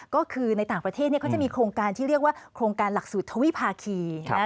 ก็คือในต่างประเทศเขาจะมีโครงการที่เรียกว่าโครงการหลักสูตรทวิภาคี